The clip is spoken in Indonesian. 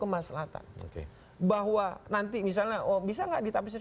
karena misalnya pasangan komookie perak yang selesai berjalan menyselesio politik presiden